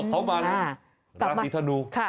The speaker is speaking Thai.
อ๋อเขามาแล้วราศีธนูค่ะ